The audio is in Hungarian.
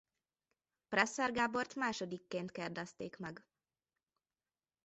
Presser Gábort másodikként kérdezték meg.